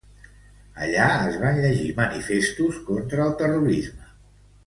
Allí es van llegir manifestos contra el terrorisme.